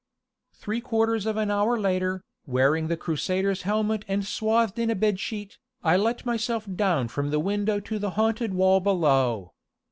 Three quarters of an hour later, wearing the Crusader's helmet and swathed in a bedsheet, I let myself down from the window to the haunted wall below.